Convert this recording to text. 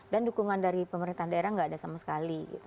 dan dukungan dari pemerintahan daerah nggak ada sama sekali